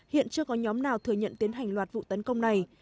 hiện chưa có nhóm nào thừa nhận tiến hành loạt vụ tấn công này